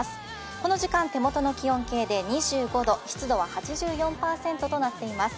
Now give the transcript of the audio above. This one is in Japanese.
この時間、手元の気温計で２５度湿度は８４％となっています。